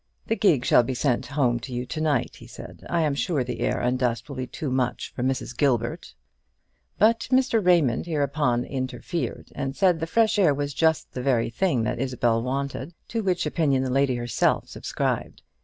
"The gig shall be sent home to you to night," he said; "I am sure the air and dust will be too much for Mrs. Gilbert." But Mr. Raymond hereupon interfered, and said the fresh air was just the very thing that Isabel wanted, to which opinion the lady herself subscribed.